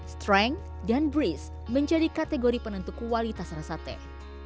strength dan bris menjadi kategori penentu kualitas rasa teh